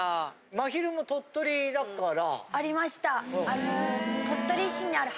まひるも鳥取だから。